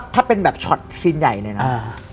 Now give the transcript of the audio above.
ถ้าเป็นแบบช็อตซีนใหญ่เลยนะ